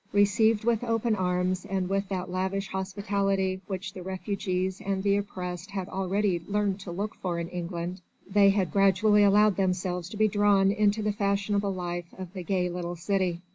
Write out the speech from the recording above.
Received with open arms and with that lavish hospitality which the refugees and the oppressed had already learned to look for in England, they had gradually allowed themselves to be drawn into the fashionable life of the gay little city.